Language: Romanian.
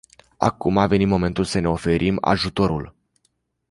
Acum a venit momentul să ne oferim ajutorul.